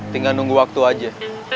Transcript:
tinggal nunggu waktu aja